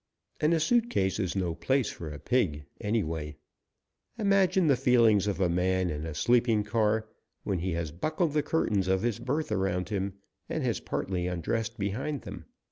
And a suit case is no place for a pig, anyway. Imagine the feelings of a man in a sleeping car when he has buckled the curtains of his berth around him, and has partly undressed behind them.